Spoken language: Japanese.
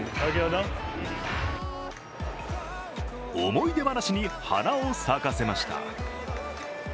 思い出話に花を咲かせました。